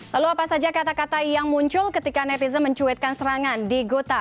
lalu apa saja kata kata yang muncul ketika netizen mencuitkan serangan di gota